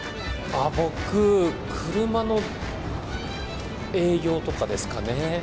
僕、車の営業とかですかね。